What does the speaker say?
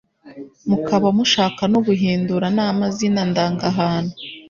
mukaba mushaka no guhindura n'amazina ndangahantu